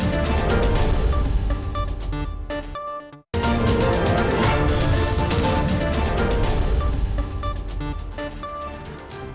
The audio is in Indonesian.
bersama kami di layar demokrasi